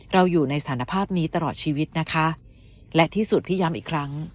อยู่ในสถานภาพนี้ตลอดชีวิตนะคะและที่สุดพี่ย้ำอีกครั้ง